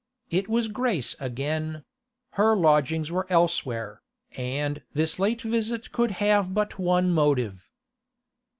It was Grace again; her lodging was elsewhere, and this late visit could have but one motive.